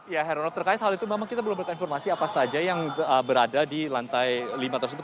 ya heranov terkait hal itu memang kita belum mendapatkan informasi apa saja yang berada di lantai lima tersebut